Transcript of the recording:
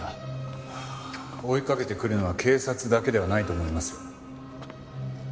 追いかけてくるのは警察だけではないと思います。